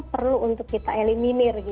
perlu untuk kita eliminir